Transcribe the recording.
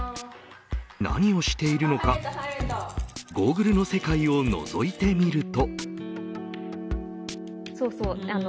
何をしているのかゴーグルの世界をのぞいてみると。